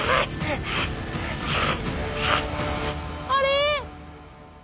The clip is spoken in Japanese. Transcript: あれ？